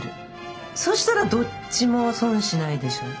そしたらどっちも損しないでしょ。